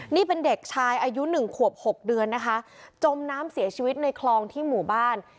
นี่เป็นเด็กชายอายุหนึ่งขวบ๖เดือนนะคะจมน้ำเสียชีวิตในคลองที่หมู่บ้าน